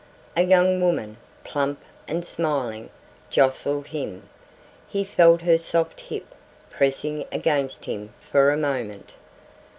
A young woman, plump and smiling, jostled him. He felt her soft hip pressing against him for a moment.